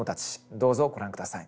どうぞご覧下さい。